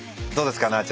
どうですか？